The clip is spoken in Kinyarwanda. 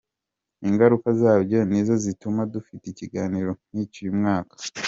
Ingaruka zabyo nizo zituma dufite ikiganiro nk’iki uyu mwaka.